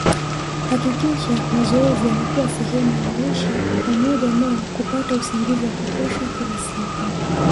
Hakikisha mazoezi yanakuwa sehemu ya maisha pamoja na kupata usingizi wa kutosha kila siku